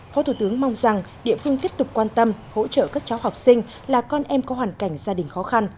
phó thủ tướng mong rằng địa phương tiếp tục quan tâm hỗ trợ các cháu học sinh là con em có hoàn cảnh gia đình khó khăn